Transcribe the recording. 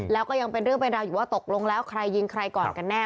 แล้วก็ยังเป็นเรื่องเป็นราวอยู่ว่าตกลงแล้วใครยิงใครก่อนกันแน่